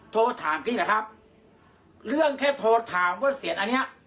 โทรถามคือนี้แหละครับเรื่องแค่โทรถามว่าเสียรอันนี้